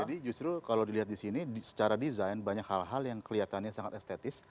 jadi justru kalau dilihat disini secara desain banyak hal hal yang kelihatannya sangat estetis